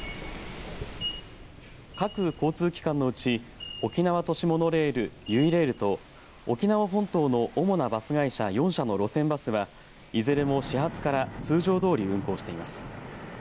各交通機関のうち沖縄都市モノレールゆいレールと沖縄本島の主なバス会社４社の路線バスはいずれも始発から通常通り運行しています。